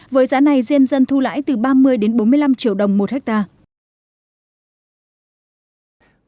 với giá này diêm dân thu lãi từ ba mươi đến bốn mươi năm triệu đồng một hectare